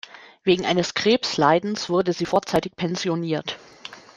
Wegen eines Krebsleidens wurde sie vorzeitig pensioniert.